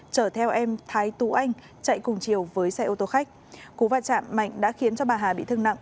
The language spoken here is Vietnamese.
chở theo em thái tú anh chạy cùng chiều với xe ô tô khách cú va chạm mạnh đã khiến cho bà hà bị thương nặng